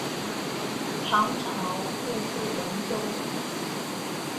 唐朝复置龙州。